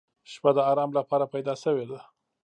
• شپه د آرام لپاره پیدا شوې ده.